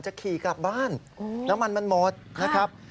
ขี่กลับบ้านน้ำมันมันหมดนะครับ